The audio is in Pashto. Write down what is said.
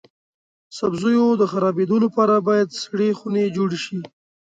سبزیو د خرابیدو لپاره باید سړې خونې جوړې شي.